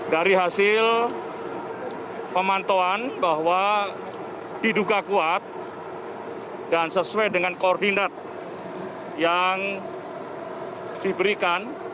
dari hasil pemantauan bahwa diduga kuat dan sesuai dengan koordinat yang diberikan